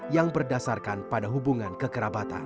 yang berdasarkan pada hubungan kekerabatan